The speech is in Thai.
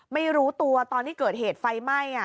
ไม่รู้ตัวตอนที่เกิดเหตุไฟไหม้